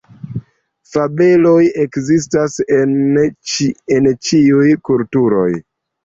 Fabeloj ekzistas en ĉiuj kulturoj.